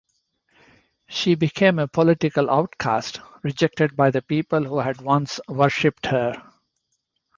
She became a political outcast, rejected by the people who had once worshipped her.